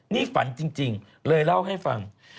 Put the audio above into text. นี่ฝันจริงเลยเล่าให้ฟัง